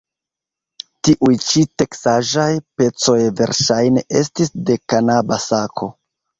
Tiuj ĉi teksaĵaj pecoj verŝajne estis de kanaba sako.